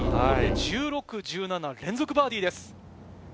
１６、１７連続バーディーです。